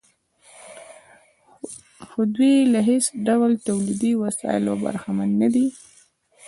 خو دوی له هېڅ ډول تولیدي وسایلو برخمن نه دي